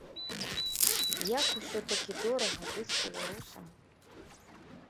Як усё-такі дорага быць беларусам.